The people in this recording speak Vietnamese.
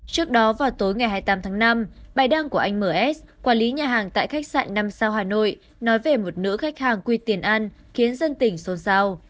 trước đó vào tối ngày hai mươi tám tháng năm bài đăng của anh ms quản lý nhà hàng tại khách sạn năm sao hà nội nói về một nữ khách hàng quy tiền an khiến dân tỉnh xôn xao